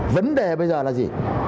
vấn đề bây giờ là gì